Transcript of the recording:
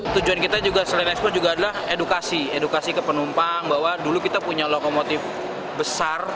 tujuan kita juga selain ekspor juga adalah edukasi edukasi ke penumpang bahwa dulu kita punya lokomotif besar